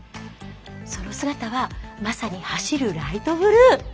その姿はまさに走るライトブルー。